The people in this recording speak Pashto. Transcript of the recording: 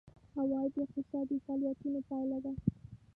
عواید د اقتصادي فعالیتونو پایله ده.